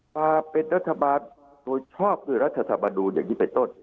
มาเป็นรัฐบาลโดยชอบด้วยรัฐธรรมนูลอย่างนี้เป็นต้น